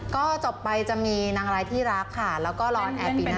ก็จบไปจะมีนางรายที่รักค่ะแล้วก็รออนแอร์ปีหน้า